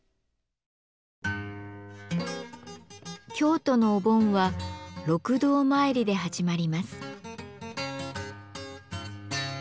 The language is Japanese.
京都のお盆は六道まいりで始まります。